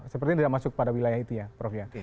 sepertinya tidak masuk pada wilayah itu ya prof ya